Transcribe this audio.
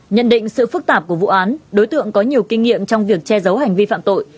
nhận định sự phức tạp của vụ án đối tượng có nhiều kinh nghiệm trong việc che giấu hành vi phạm tội